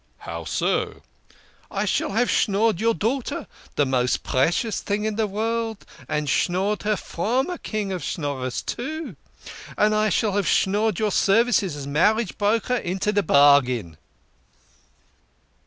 " How so? "" I shall have schnorred your daughter the most pre cious thing in the world ! And schnorred her from a king of Schnorrers, too !! And I shall have schnorred your services as marriage broker into de bargain